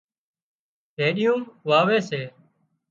ڀيڏيون واوي سي